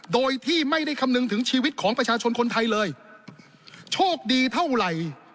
โดยที่ไม่ได้คำนึงถึงชีวิตของประชาชนคนไทยเลยโชคดีเท่าไหร่